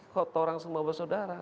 kota orang semua bersaudara